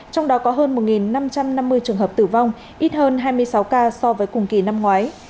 trong đó có hơn một năm trăm năm mươi trường hợp tử vong ít hơn hai mươi sáu ca so với cùng kỳ năm ngoái